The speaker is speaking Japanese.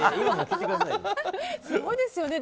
すごいですよね